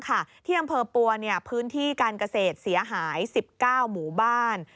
ที่อำเภอปัวพื้นที่การเกษตรเสียหาย๑๙หมู่บ้าน